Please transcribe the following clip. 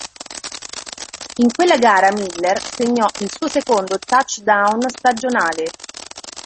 In quella gara Miller segnò il suo secondo touchdown stagionale.